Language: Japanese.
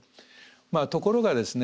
ところがですね